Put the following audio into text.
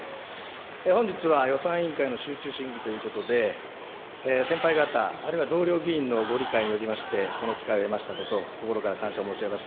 本日は予算委員会の集中審議ということで、先輩方、あるいは同僚議員のご理解によりまして、この機会を得ましたことを心から感謝を申し上げます。